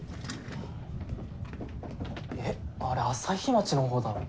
えっ？あれ旭町の方だろ。